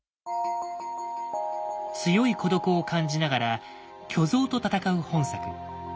強い孤独を感じながら巨像と戦う本作。